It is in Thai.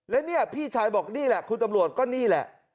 แล้วเนี่ยพี่ชายบอกนี่แหละคุณตำรวจก็นี่แหละ